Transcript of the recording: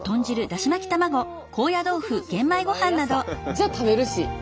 じゃあ食べるし！